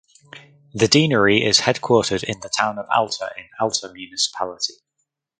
The deanery is headquartered in the town of Alta in Alta Municipality.